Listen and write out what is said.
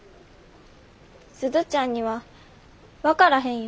鈴ちゃんには分からへんよ。